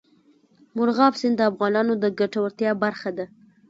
مورغاب سیند د افغانانو د ګټورتیا برخه ده.